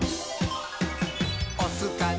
「おすかな？